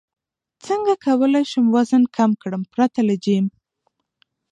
څنګه کولی شم وزن کم کړم پرته له جیم